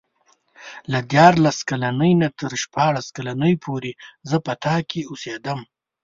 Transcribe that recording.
له دیارلس کلنۍ نه تر شپاړس کلنۍ پورې زه په تا کې اوسېدم.